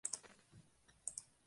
Mena se licenció en la universidad.